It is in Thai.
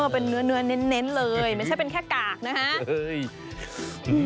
เป็นเนื้อเน้นเลยไม่ใช่เป็นแค่กากนะฮะ